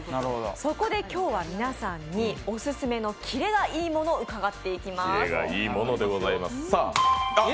そこで今日は皆さんに、オススメの「キレがいいもの」を伺っていきます。